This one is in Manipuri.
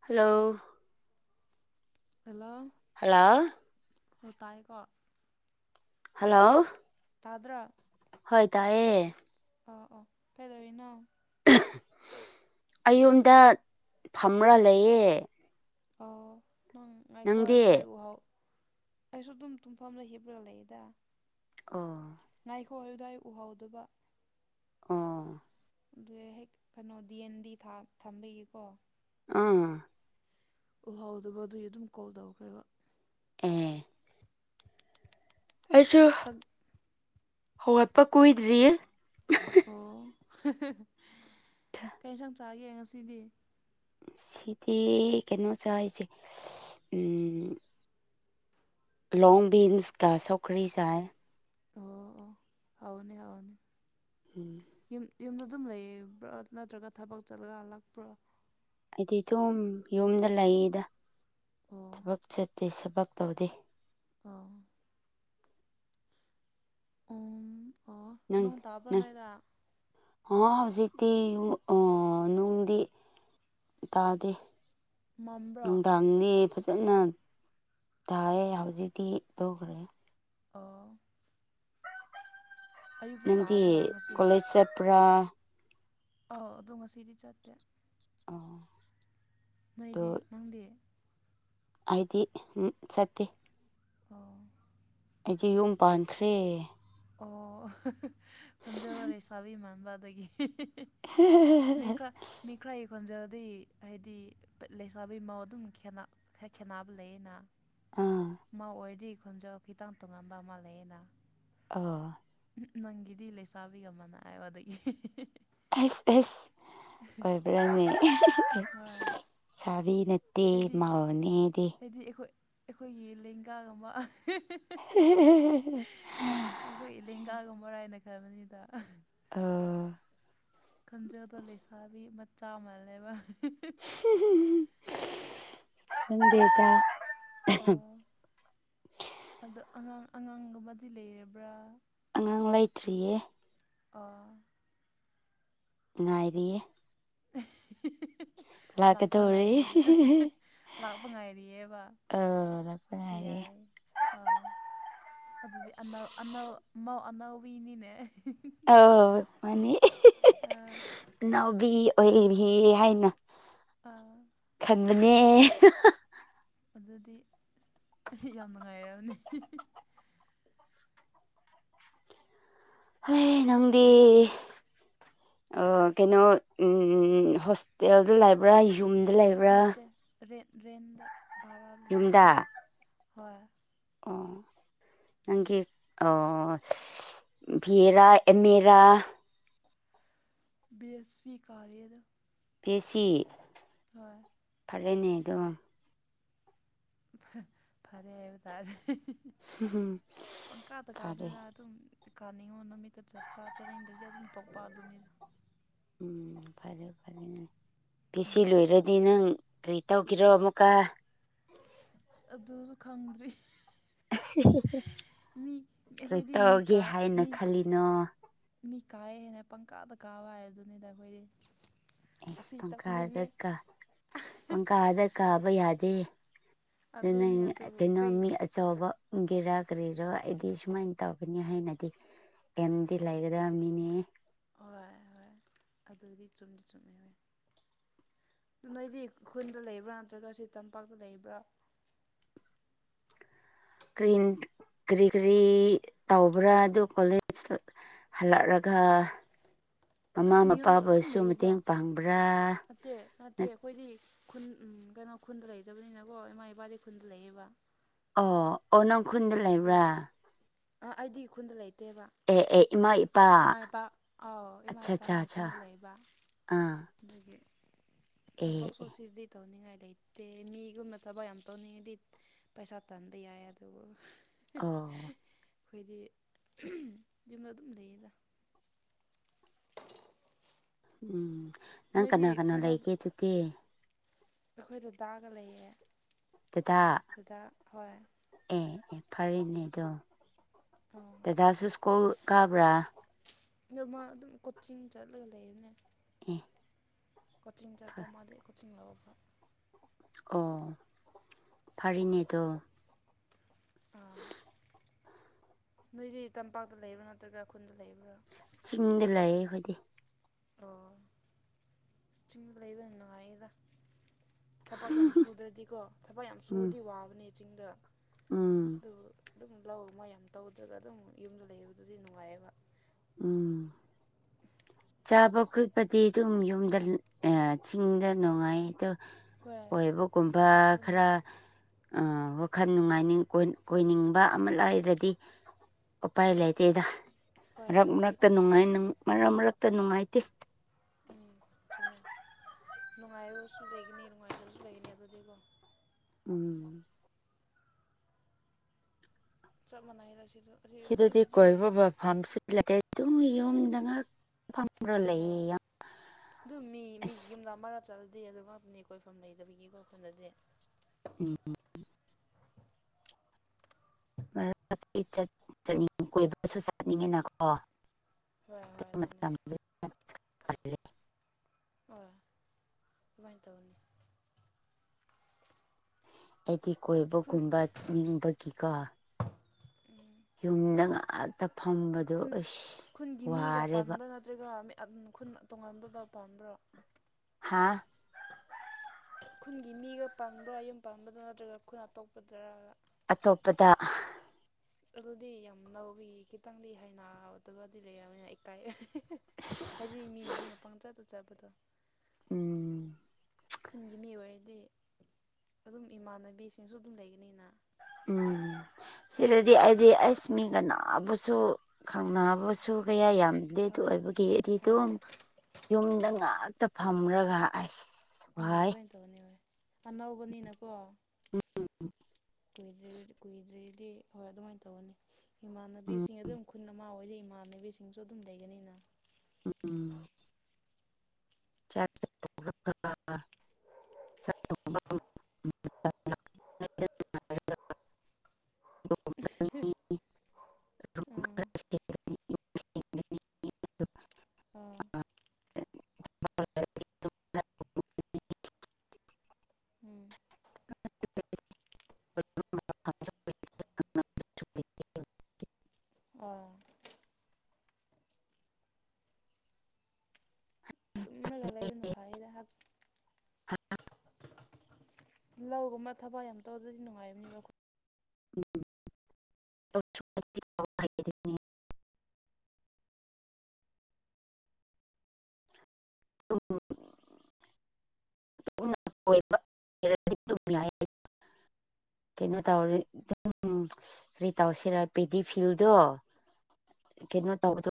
ꯍꯜꯂꯣ ꯍꯜꯂꯣ ꯍꯂꯣ ꯅꯨ ꯇꯥꯏꯀꯣ ꯍꯜꯂꯣ ꯇꯥꯗ꯭ꯔ ꯍꯣꯏ ꯇꯥꯏꯑꯌꯦ ꯑꯣ ꯑꯣ ꯀꯩꯗꯧꯔꯤꯅꯣ ꯑꯩꯌꯨꯝꯗ ꯐꯝꯃ꯭ꯔꯥ ꯂꯩꯌꯦ ꯑꯣ ꯅꯪ ꯉꯥꯏꯈꯣ ꯅꯪꯗꯤ ꯍꯥꯏꯕꯗ ꯑꯩ ꯎꯍꯥꯎ ꯑꯩꯁꯨ ꯑꯗꯨꯝ ꯇꯨꯝꯐꯝꯗ ꯍꯤꯞꯄꯒ ꯂꯩꯌꯦꯦꯗ ꯑꯣ ꯉꯥꯏꯈꯣ ꯍꯥꯏ ꯑꯗꯨ꯭ꯋꯥꯏ ꯎꯍꯧꯗꯕ ꯑꯣ ꯑꯗꯨ ꯍꯦꯛ ꯀꯩꯅꯣ ꯗꯤ ꯑꯦꯟ ꯗꯤ ꯊꯝꯕꯤꯌꯦꯀꯣ ꯑꯝ ꯑꯣ ꯍꯥꯎ ꯑꯗꯨꯕ ꯑꯗꯨꯒꯤ ꯑꯗꯨꯝ ꯀꯣꯜ ꯇꯧꯔꯈ꯭ꯔꯦꯕ ꯎꯝ ꯑꯩꯁꯨ ꯆꯥꯛ ꯍꯧꯒꯠꯄ ꯀꯨꯏꯗ꯭ꯔꯤꯌꯦ ꯑꯣ ꯀꯩꯁꯪ ꯆꯥꯒꯦ ꯉꯁꯤꯗꯤ ꯁꯤꯗꯤ ꯀꯩꯅꯣꯝꯇ ꯆꯥꯏꯁꯦ ꯂꯣꯡꯕꯤꯟꯁꯀ ꯁꯧꯈ꯭ꯔꯤꯁꯥꯏ ꯑꯣ ꯑꯣ ꯍꯧꯅꯦ ꯑꯥꯎꯅꯦ ꯎꯝ ꯌꯨꯝ ꯌꯨꯝꯗ ꯑꯗꯨꯝ ꯂꯩꯕ꯭ꯔꯣ ꯅꯠꯇ꯭ꯔꯒ ꯊꯕꯛ ꯆꯠꯂꯒ ꯍꯜꯂꯛꯄ꯭ꯔꯣ ꯍꯥꯏꯗꯤ ꯊꯨꯝ ꯌꯨꯝꯗ ꯂꯩꯗ ꯑꯣ ꯊꯕꯛ ꯆꯠꯇꯦ ꯊꯕꯛ ꯇꯧꯗꯦ ꯑ ꯎꯝ ꯑꯣ ꯅꯪ ꯇꯥꯕ꯭ꯔꯣ ꯅꯏꯔ ꯍꯧꯖꯤꯛꯇꯤ ꯅꯨꯡꯗꯤ ꯇꯗꯤ ꯃꯝꯕ꯭ꯔꯣ ꯅꯨꯡꯗꯥꯡꯗꯤ ꯐꯖꯅ ꯊꯥꯏꯑꯦ ꯍꯧꯖꯤꯛꯇꯤ ꯇꯧꯈ꯭ꯔꯦ ꯑ ꯑꯌꯨꯛꯇ ꯅꯪꯗꯤ ꯇꯥꯗ꯭ꯔꯣ ꯉꯁꯤ ꯀꯣꯂꯦꯖ ꯆꯦꯠꯄ꯭ꯔꯥ ꯑꯧ ꯑꯗꯨꯒ ꯉꯁꯤꯗꯤ ꯆꯥꯠꯇꯦ ꯑ ꯅꯣꯏꯗꯤ ꯅꯪꯗꯤ ꯍꯥꯏꯗꯤ ꯎ ꯁꯠꯇꯦ ꯑꯣ ꯑꯩꯗꯤꯦ ꯌꯨꯝ ꯄꯥꯟꯈ꯭ꯔꯦ ꯑꯣ ꯈꯟꯖꯔ ꯂꯩꯁꯥꯕꯤ ꯃꯥꯟꯕꯗꯒꯤ ꯃꯤꯀ ꯃꯤꯈ꯭ꯔꯥꯒꯤ ꯈꯣꯟꯖꯦꯜꯗꯤ ꯍꯥꯏꯗꯤ ꯂꯩꯁꯥꯕꯤ ꯃꯧ ꯑꯗꯨꯝ ꯈꯦꯠꯅ ꯈꯔ ꯈꯦꯠꯅꯕ ꯂꯩꯌꯦꯅ ꯑꯥ ꯑꯃ ꯑꯣꯏꯔꯗꯤ ꯈꯣꯟꯖꯥꯎ ꯈꯤꯇꯪ ꯇꯣꯉꯥꯟꯕ ꯑꯃ ꯂꯩꯌꯦꯅ ꯑꯥ ꯅꯪꯒꯤꯗꯤ ꯂꯩꯁꯥꯕꯤ ꯑꯃꯅ ꯍꯥꯏ ꯑꯗꯒꯤ ꯑꯩꯁ ꯑꯦꯁ ꯑꯣꯏꯕ꯭ꯔꯥꯅꯤ ꯍꯣꯏ ꯅꯠꯇꯦ ꯑꯩꯗꯤ ꯃꯧꯅꯦꯗꯤ ꯑꯩꯗꯤ ꯑꯩꯈꯣꯏ ꯑꯩꯈꯣꯏꯒꯤ ꯂꯦꯡꯒꯥꯒꯨꯝꯕ ꯍꯤ ꯍꯤ ꯑꯩꯈꯣꯏ ꯏꯂꯦꯡꯒꯥꯒꯨꯝꯕ ꯔ ꯍꯥꯏꯅ ꯈꯟꯕꯅꯤꯗ ꯑ ꯈꯟꯖꯗ ꯂꯩꯁꯥꯕꯤ ꯃꯆꯥ ꯃꯟꯂꯦꯕ ꯗꯤꯦꯇ ꯑꯣ ꯑꯗꯣ ꯑꯉꯥꯡ ꯑꯉꯥꯡꯒꯨꯝꯕꯗꯤ ꯂꯩꯔꯕ꯭ꯔꯥ ꯑꯉꯥꯡ ꯂꯩꯇ꯭ꯔꯤꯌꯦ ꯑꯣ ꯅꯨꯡꯉꯥꯏꯔꯤꯌꯦ ꯂꯥꯛꯄ ꯂꯥꯛꯀꯗꯧꯔꯦ ꯉꯥꯏꯔꯤꯕ ꯂꯥꯛꯄ ꯉꯥꯏꯔꯤꯌꯦꯕ ꯑ ꯌꯥꯏ ꯑꯥ ꯑꯗꯨꯗꯤ ꯑꯅ ꯑꯅꯧ ꯑꯅꯧꯕꯤꯅꯤꯅꯦ ꯑ ꯃꯥꯅꯤ ꯑꯥ ꯅꯥꯎꯕꯤ ꯑꯣꯏꯕꯤ ꯍꯥꯏꯅ ꯑꯥ ꯈꯟꯕꯅꯦ ꯑꯗꯨꯗꯤ ꯑꯁ ꯑꯩ ꯌꯥꯝ ꯅꯨꯡꯉꯥꯏꯔꯕꯅꯤ ꯍꯣꯏꯍꯦ ꯅꯪꯗꯤ ꯑꯗꯣ ꯑ ꯀꯩꯅꯣ ꯍꯣꯁꯇꯦꯜꯗ ꯂꯩꯕ꯭ꯔꯥ ꯌꯨꯝ ꯍꯥ ꯅꯠꯇꯦ ꯔꯦꯟ ꯔꯦꯟꯗ ꯚꯔꯥ ꯌꯨꯝꯗ ꯂꯩꯕꯅꯤ ꯍꯣꯏ ꯑꯣ [unintelligible] ꯅꯪꯒꯤ ꯚꯤꯔꯥ ꯑꯃꯦꯔꯥ ꯕꯤ ꯑꯦꯁꯤ ꯀꯔꯤꯌꯦ ꯗ ꯑꯦꯁꯤ ꯍꯣꯏ ꯐꯔꯦꯅꯦ ꯑꯗꯣ ꯐꯔꯦ ꯍꯥꯏꯕ ꯇꯔꯦ ꯄꯡꯀꯥꯞ ꯐꯔꯦ ꯀꯥꯞꯄꯦꯅ ꯑꯗꯨꯝ ꯀꯥꯅꯤꯡꯉꯣ ꯅꯨꯃꯤꯠꯇ ꯆꯠꯄ ꯆꯠꯂꯅꯤꯡꯗ꯭ꯔꯗꯤ ꯑꯗꯨꯝ ꯇꯣꯛꯄ ꯑꯗꯨꯅꯤꯗ ꯎꯝ ꯐꯔꯦ ꯐꯔꯦ ꯎꯝ ꯐꯁꯤ ꯂꯣꯏꯔꯗꯤ ꯅꯪ ꯀꯔꯤ ꯇꯧꯀꯦꯔꯣ ꯑꯃꯨꯛꯀ ꯑꯗꯨꯗꯣ ꯈꯪꯗ꯭ꯔꯤ ꯃꯤ ꯀꯩ ꯑꯩꯈꯣꯏꯗꯤ ꯃꯤ ꯇꯧꯒꯦ ꯀꯥ ꯍꯥꯏꯅ ꯃꯤ ꯈꯜꯂꯤꯅꯣ ꯃꯤ ꯀꯥꯏꯑꯦ ꯍꯥꯏꯅ ꯄꯪꯀꯥꯗ ꯀꯥꯕ ꯍꯥꯏꯗꯨꯅꯤꯗ ꯑꯩꯈꯣꯏꯗꯤ ꯑꯦꯁ ꯑꯁꯤ ꯄꯪꯀꯥꯗ ꯇꯧꯅꯤꯡꯉꯦ ꯀ ꯄꯪꯀꯥꯗ ꯀꯥꯕ ꯌꯥꯗꯦ ꯅ ꯑꯗꯨꯅꯦ ꯑꯗꯨꯕꯨ ꯀꯩꯅꯣ ꯀꯩ ꯆꯥꯎꯕꯒꯦꯔꯥ ꯀꯔꯤꯔꯥ ꯍꯥꯏꯗꯤ ꯁꯨꯃꯥꯏꯅ ꯇꯧꯒꯅꯤ ꯍꯩꯅꯗꯤ ꯀꯦꯝꯗꯤ ꯂꯩꯒꯗꯕ ꯃꯤꯅꯤ ꯍꯣꯏ ꯍꯣꯏ ꯑꯗꯨꯗꯤ ꯆꯨꯝꯗꯤ ꯆꯨꯝꯃꯦ ꯍꯣꯏ ꯑꯗꯨ ꯅꯣꯏꯗꯤ ꯎꯈꯨꯜꯗ ꯂꯩꯕ꯭ꯔꯥ ꯅꯠꯇ꯭ꯔꯒ ꯁꯤ ꯇꯝꯄꯥꯛꯇ ꯂꯩꯕ꯭ꯔꯥ ꯔꯤ ꯀꯔꯤ ꯀꯔꯤ ꯇꯧꯕ꯭ꯔꯥ ꯑꯗꯨ ꯀꯣꯂꯦꯖ ꯍꯜꯂꯛꯂꯒ ꯑꯗꯨꯝ ꯃꯃꯥ ꯌꯨꯝꯗ ꯃꯄꯥꯕꯨ ꯑꯗꯨꯝ ꯑꯣꯏꯁꯨ ꯂꯩꯌꯦꯗ ꯃꯇꯦꯡ ꯄꯥꯡꯕ꯭ꯔꯥ ꯅꯠꯇꯦ ꯅꯠꯇꯦ ꯑꯩꯈꯣꯏꯗꯤ ꯈꯨꯟ ꯀꯩꯅꯣ ꯈꯨꯟꯗ ꯂꯩꯗꯕꯅꯤꯅꯀꯣ ꯏꯃꯥ ꯏꯄꯥꯗꯤ ꯈꯨꯟꯗ ꯂꯩꯌꯦꯕ [unintelligible] ꯑꯣ ꯑꯣ ꯅꯪ ꯈꯨꯟꯗ ꯂꯩꯕ꯭ꯔꯥ ꯑꯥ ꯑꯩꯗꯤ ꯈꯨꯟꯗ ꯂꯩꯇꯦ ꯅꯠꯇꯦꯕ ꯑꯦ ꯑꯦ ꯏꯃꯥ ꯏꯄꯥ ꯏꯃꯥ ꯏꯄꯥ ꯑꯥꯎ ꯏꯃꯥ ꯑꯠꯆꯥ ꯏꯄꯥ ꯑꯠꯆꯥ ꯑꯣꯏꯅ ꯑꯠꯆꯥ ꯈꯨꯟꯗ ꯂꯩꯕ ꯑꯥ ꯑꯗꯒꯤ ꯊꯕꯛ ꯑꯦ ꯑꯦ ꯁꯨꯁꯤꯗꯤ ꯇꯧꯅꯤꯡꯉꯥꯏ ꯂꯩꯇꯦ ꯃꯤꯒꯨꯝꯅ ꯊꯕꯛ ꯌꯥꯝ ꯇꯧꯅꯤꯡꯉꯤꯗꯤ ꯄꯩꯁꯥ ꯇꯗ ꯌꯥ ꯑꯗꯨ ꯑꯣ ꯑꯩꯈꯣꯏꯗꯤ ꯌꯨꯝꯗ ꯑꯗꯨꯝ ꯂꯩꯌꯦꯗ ꯎꯝ ꯅꯪ ꯀꯅꯥ ꯀꯅꯥꯣ ꯂꯩꯒꯦ ꯑꯗꯨꯗꯤ ꯑꯩꯈꯣꯏꯗ ꯗꯥꯒ ꯂꯩꯌꯦꯦ ꯗꯗꯥ ꯑꯦ ꯐꯔꯦꯅꯦ ꯑꯗꯣ ꯑꯥ ꯗꯗꯥꯁꯨ ꯁ꯭ꯀꯨꯜ ꯀꯥꯕ꯭ꯔꯥ ꯅꯣꯔꯃꯜ ꯑꯗꯨꯝ ꯀꯣꯆꯤꯡ ꯆꯠꯂꯒ ꯂꯩꯕꯅꯦ ꯎ ꯀꯣꯆꯤꯡ ꯆꯠꯄ ꯃꯥꯗꯤ ꯀꯣꯆꯤꯡ ꯂꯧꯒ ꯑꯣ ꯐꯔꯤꯅꯦꯗꯣ ꯑꯥ ꯅꯣꯏꯗꯤ ꯇꯝꯄꯥꯛꯇ ꯂꯩꯕ꯭ꯔꯥ ꯅꯠꯇ꯭ꯔꯒ ꯈꯨꯟꯗ ꯂꯩꯕ꯭ꯔꯥ ꯆꯤꯡꯗ ꯂꯩꯌꯦ ꯑꯩꯈꯣꯏꯗꯤ ꯑꯣ ꯆꯤꯡꯗ ꯂꯩꯕ ꯅꯨꯡꯉꯥꯏꯗ ꯊꯕꯛ ꯌꯥꯝ ꯁꯨꯗ꯭ꯔꯗꯤꯀꯣ ꯊꯕꯛ ꯌꯥꯝ ꯎꯝ ꯁꯨꯔꯗꯤ ꯋꯥꯕꯅꯦ ꯆꯤꯡꯗ ꯎꯝ ꯑꯗꯨ ꯑꯗꯨꯝ ꯂꯧ ꯑꯃ ꯌꯥꯝ ꯇꯧꯗ꯭ꯔꯒ ꯑꯗꯨꯝ ꯌꯨꯝꯗ ꯂꯩꯕꯗꯨꯗꯤ ꯅꯨꯡꯉꯥꯏꯑꯕ ꯎꯝ ꯆꯥꯕ ꯈꯣꯠꯄꯗꯤ ꯑꯗꯨꯝ ꯌꯨꯝꯗ ꯆꯤꯡꯗ ꯅꯨꯡꯉꯥꯏ ꯑꯣ ꯍꯣꯏ ꯀꯣꯏꯕꯒꯨꯝꯕ ꯑꯗꯨꯅꯤ ꯈꯔ ꯋꯥꯈꯜ ꯅꯨꯡꯉꯥꯏꯅꯤꯡ ꯀꯣꯏꯅꯤꯡꯕ ꯑꯃ ꯂꯩꯔꯗꯤ ꯎꯄꯥꯏ ꯂꯩꯇꯦꯗ ꯍꯣꯏ ꯃꯔꯛ ꯑꯗꯨꯗꯤ ꯃꯔꯛꯇ ꯆꯨꯝꯃꯦ ꯍꯣꯏ ꯅꯨꯡꯉꯥꯏ ꯃꯔꯛ ꯃꯔꯛꯇ ꯅꯨꯡꯉꯥꯏꯇꯦ ꯎꯝ ꯆꯨꯝꯃꯦ ꯅꯨꯡꯉꯥꯏꯕꯁꯨ ꯂꯩꯒꯅꯤ ꯅꯨꯡꯉꯥꯏꯇꯕꯁꯨ ꯂꯩꯒꯅꯤ ꯑꯗꯨꯗꯤꯀꯣ ꯎꯝ ꯆꯞ ꯃꯥꯟꯅꯩꯗ ꯁꯤꯁꯨ ꯁꯤꯗꯗꯤ ꯀꯣꯏꯕ ꯃ ꯌꯨꯝꯗ ꯐꯝꯔ ꯍꯣꯏ ꯂꯩꯌꯦ ꯌꯥꯝ ꯑꯗꯨ ꯃꯤ ꯃꯤ ꯑꯁ ꯌꯨꯝꯗ ꯃꯔ ꯆꯠꯗꯦ ꯑꯗꯨꯒ ꯀꯣꯏꯐꯝ ꯂꯩꯇꯕꯤꯒꯤ ꯀꯣꯏꯈꯨꯜꯗꯗꯤ ꯎꯝ ꯃꯔ ꯆꯠꯅꯤꯡ ꯀꯣꯏꯕꯁꯨ ꯆꯠꯅꯤꯡꯉꯤꯅꯀꯣ ꯍꯣꯏ ꯍꯣꯏ ꯑꯗꯨꯅꯦ ꯍꯥꯏ ꯑ ꯃꯥꯏ ꯇꯧꯅꯤ ꯑꯩꯗꯤ ꯈꯨꯟ ꯀꯣꯏꯕꯒꯨꯝꯕ ꯆꯠꯅꯤꯡꯕꯒꯤꯀꯣ ꯎꯝ ꯌꯨꯝꯗ ꯉꯥꯛꯇ ꯐꯝꯕꯗꯣ ꯑꯁ ꯈꯨꯟꯒꯤ ꯃꯤꯒ ꯋꯥꯔꯦꯕ ꯄꯥꯟꯕ꯭ꯔꯥ ꯅꯠꯇ꯭ꯔꯒ ꯃꯤ ꯑꯗꯨꯝ ꯈꯨꯟ ꯇꯣꯉꯥꯟꯕꯗ ꯄꯥꯝꯕ꯭ꯔꯣ ꯍꯥꯥ ꯈꯨꯟꯒꯤ ꯃꯤꯒ ꯄꯥꯟꯕ꯭ꯔꯥ ꯌꯨꯝ ꯄꯥꯟꯕꯗ ꯅꯠꯇ꯭ꯔꯒ ꯈꯨꯟ ꯑꯇꯣꯞꯄꯗꯔꯒ ꯑꯇꯣꯞꯄꯗ ꯑꯗꯨꯗꯤ ꯌꯥꯝ ꯂꯧꯕꯏꯤ ꯈꯤꯇꯪꯗꯤ ꯍꯩꯅꯗꯕꯗꯤ ꯂꯩꯔꯕꯅꯤꯅ ꯏꯀꯥꯏ ꯍꯥꯏꯗꯤ ꯃꯤ ꯌꯨꯝꯗ ꯄꯪꯆꯠꯇ ꯆꯠꯄꯗꯣ ꯎꯝ ꯈꯨꯟꯒꯤ ꯃꯤ ꯑꯣꯏꯔꯗꯤ ꯑꯗꯨꯝ ꯏꯃꯥꯟꯅꯕꯤꯁꯤꯡꯁꯨ ꯑꯗꯨꯝ ꯂꯩꯒꯅꯤꯅ ꯎꯝ ꯁꯤꯗꯗꯤ ꯑꯩꯗꯤ ꯑꯩꯁ ꯃꯤ ꯀꯅꯥꯕꯨꯁꯨ ꯈꯪꯕꯨꯁꯨ ꯀꯌꯥ ꯌꯥꯝꯗꯦ ꯗꯦꯗ ꯍꯣꯏ ꯑꯣꯏꯕꯒꯤꯗꯤ ꯍꯣꯏ ꯑꯗꯨꯝ ꯌꯨꯝꯗ ꯉꯥꯛꯇ ꯐꯝꯔꯒ ꯑꯩꯁ ꯁꯤꯄꯚꯥꯏ ꯇꯧꯅꯤ ꯍ ꯑꯅꯧꯕꯅꯤꯅꯀꯣ ꯎꯝ ꯀꯨ ꯀꯨꯏꯗ꯭ꯔꯦꯗꯤ ꯍꯣꯏ ꯑꯗꯨꯃꯥꯏꯅ ꯇꯧꯒꯅꯤ ꯏꯃꯥꯟꯅꯕꯤꯁꯤꯡ ꯑꯗꯨꯝ ꯈꯨꯟ ꯑꯃ ꯑꯣꯏꯗꯤ ꯏꯃꯥꯟꯅꯕꯤꯁꯤꯡꯁꯨ ꯑꯗꯨꯝ ꯂꯩꯒꯅꯤꯅ ꯎꯝ ꯎꯝ ꯆ ꯆ [unintelligible] [unintelligible] [unintelligible] ꯎꯝ [unintelligible] ꯑꯩ ꯎꯝ ꯑꯥ ꯎꯝ [inaudible] ꯑꯥ ꯅ ꯐꯥꯏꯔꯥꯛ ꯂꯧꯒꯨꯝꯕ ꯊꯕꯛ ꯌꯥꯝ ꯇꯧꯗꯗꯤ ꯅꯨꯡꯉꯥꯏꯕꯅꯤꯕ ꯎꯝꯅꯤ ꯑ [inaudible] ꯀꯩꯅꯣ ꯇꯧꯔꯦꯝ ꯀꯔꯤ ꯇꯧꯁꯤꯔ ꯄꯦꯗꯤ ꯐꯤꯜꯗꯣ ꯀꯩꯅꯣ ꯇꯧꯕꯗ